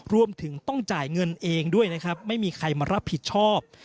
รวมถึงต้องจ่ายเงินเองด้วยนะครับไม่มีใครมารับผิดชอบ